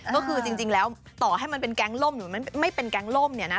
ก็คือจริงแล้วต่อให้มันเป็นแก๊งล่มหรือไม่เป็นแก๊งล่มเนี่ยนะ